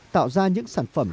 tạo ra những sản phẩm